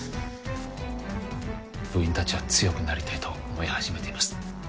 部員たちは強くなりたいと思い始めています